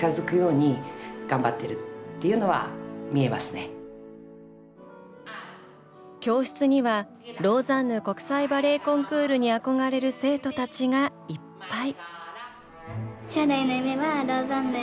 ただそこで教室にはローザンヌ国際バレエコンクールに憧れる生徒たちがいっぱい！